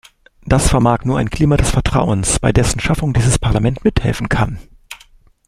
Das vermag nur ein Klima des Vertrauens, bei dessen Schaffung dieses Parlament mithelfen kann.